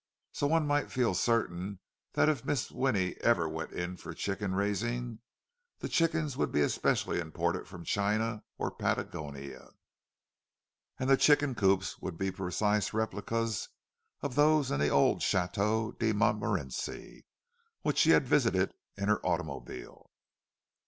So one might feel certain that it Mrs. Winnie ever went in for chicken raising, the chickens would be especially imported from China or Patagonia, and the chicken coops would be precise replicas of those in the old Chateau de Montmorenci which she had visited in her automobile.